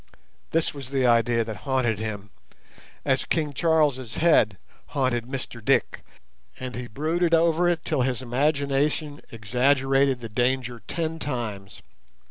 This was the idea that haunted him, as King Charles's head haunted Mr Dick, and he brooded over it till his imagination exaggerated the danger ten times.